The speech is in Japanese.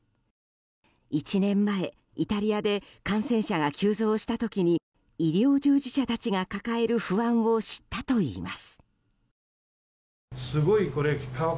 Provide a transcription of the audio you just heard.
１年前、イタリアで感染者が急増した時に医療従事者たちが抱える不安を知ったといいます。